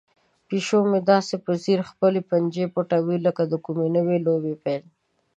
پیشو مې داسې په ځیر خپلې پنجې پټوي لکه د کومې نوې لوبې پیل.